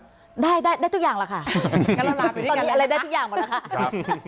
ตอนนี้อะไรได้ทุกอย่างหมดแล้วค่ะ